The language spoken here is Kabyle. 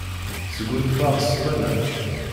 Sgunfaɣ ssmana.